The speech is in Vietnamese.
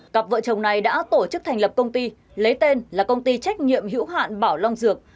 cặp vợ chồng này đã tổ chức thành lập công ty lấy tên là công ty trách nhiệm hữu hạn bảo long dược